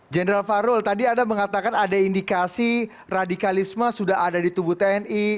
general farul tadi anda mengatakan ada indikasi radikalisme sudah ada di tubuh tni